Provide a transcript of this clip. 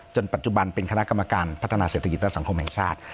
ปัจจุบันเป็นคณะกรรมการพัฒนาเศรษฐกิจและสังคมแห่งชาติ